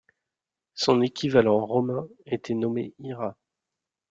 Son équivalent romain était nommé Ira.